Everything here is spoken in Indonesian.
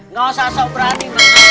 nggak usah sobrani